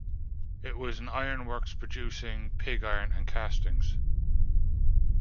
It was an iron works producing pig iron and castings.